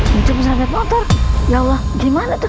hencum keserempet motor ya allah gimana tuh